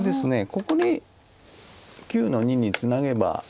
ここに９の二にツナげば。